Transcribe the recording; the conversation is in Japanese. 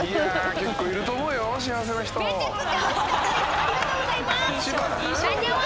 ありがとうございます。